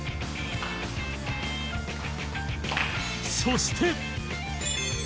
そして